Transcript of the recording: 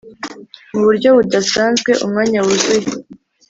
mu buryo budasanzwe. umwanya wuzuye